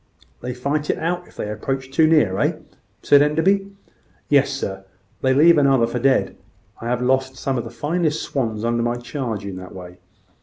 "They fight it out, if they approach too near, eh?" said Enderby. "Yes, sir; they leave one another for dead. I have lost some of the finest swans under my charge in that way."